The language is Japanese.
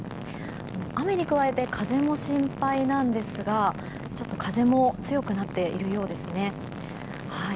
雨に加えて風も心配なんですが風も強くなっているようですね。